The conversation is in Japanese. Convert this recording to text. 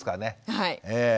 はい。